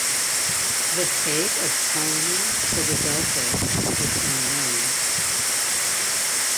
The fate of Ptolemy Philadelphus is unknown.